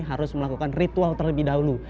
harus melakukan ritual terlebih dahulu